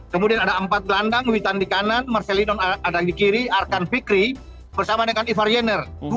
kemudian ada empat gelandang witan di kanan marcelino ada di kiri arkan fikri bersama dengan ivar yenner